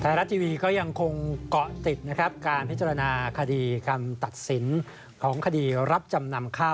รัฐทีวีก็ยังคงเกาะติดนะครับการพิจารณาคดีคำตัดสินของคดีรับจำนำข้าว